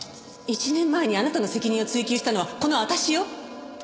１年前にあなたの責任を追及したのはこの私よ？